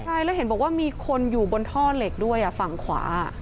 ใช่แล้วเห็นบอกว่ามีคนอยู่บนท่อเหล็กด้วยฝั่งขวา